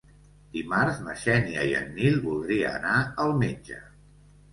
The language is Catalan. Dimarts na Xènia i en Nil voldria anar al metge.